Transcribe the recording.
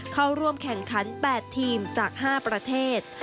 เข้าร่วมแข่งขัน๘ทีมจาก๕ประเทศ